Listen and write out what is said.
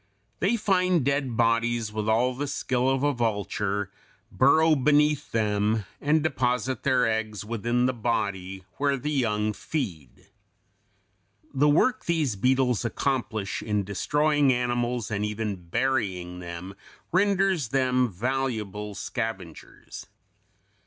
They find dead bodies with all the skill of a vulture, burrow beneath them and deposit their eggs within the body, where the young feed. The work these beetles accomplish in destroying animals and even burying them renders them valuable scavengers.